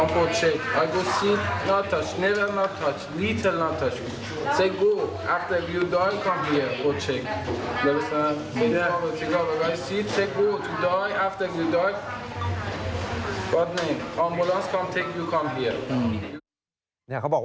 พอคุณตายแล้วเดี๋ยวรถฉุกเฉินก็จะไปรับคุณมาเนี่ยเองแหละ